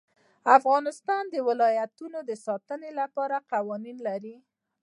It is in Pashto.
افغانستان د ولایتونو د ساتنې لپاره قوانین لري.